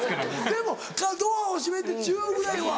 でもドアを閉めてチュぐらいは。